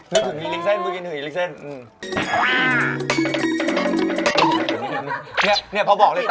นึกถึงควรมีริคเสนเป็นคนแรกเลยนะ